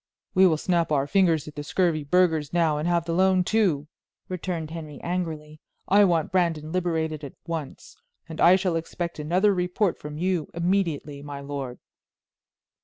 "We will snap our fingers at the scurvy burghers now and have the loan, too," returned Henry, angrily. "I want Brandon liberated at once, and I shall expect another report from you immediately, my lord."